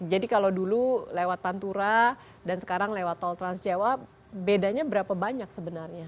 jadi kalau dulu lewat tantura dan sekarang lewat tol trans jawa bedanya berapa banyak sebenarnya